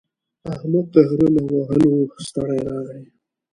احمد د غره له وهلو ستړی راغی.